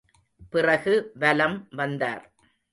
பிறகு வலம் வந்தார்.